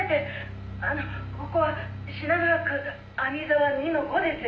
「あのここは品川区網沢２の５です」